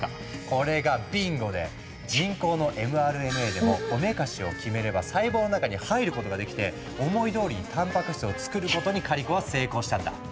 これがビンゴで人工のｍＲＮＡでもおめかしをキメれば細胞の中に入ることができて思いどおりにたんぱく質をつくることにカリコは成功したんだ。